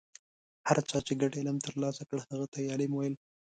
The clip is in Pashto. هر چا چې ګډ علم ترلاسه کړ هغه ته یې عالم ویل.